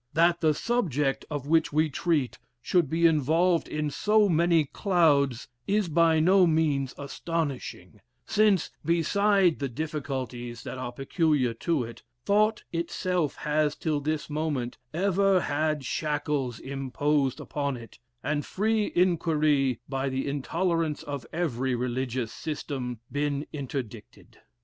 "That the subject of which we treat should be involved in so many clouds, is by no means astonishing, since, beside the difficulties that are peculiar to it, thought itself has, till this moment, ever had shackles imposed upon it, and free inquiry, by the intolerance of every religious system, been interdicted.